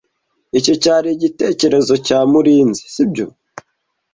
Iki cyari igitekerezo cya Murinzi, sibyo?